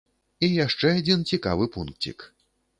І яшчэ адзін цікавы пункцік.